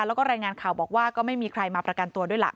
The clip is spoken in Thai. แล้วก็รายงานข่าวบอกว่าก็ไม่มีใครมาประกันตัวด้วยล่ะ